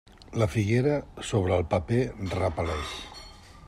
La figuera, sobre el paper, repel·leix.